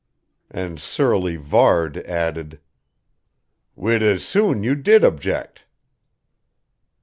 And surly Varde added: "We'd as soon you did object."